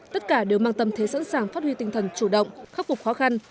tất cả đều mang tâm thế sẵn sàng phát huy tinh thần chủ động khắc phục khó khăn